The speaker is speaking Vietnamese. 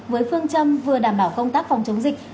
với phương châm vừa đảm bảo công tác phòng chống dịch